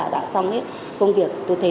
đã xong công việc tôi thấy